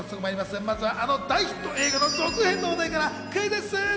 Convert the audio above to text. まずはあの大ヒット映画の続編の話題からクイズッス。